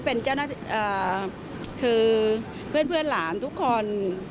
เพื่อนหล่านทุกคน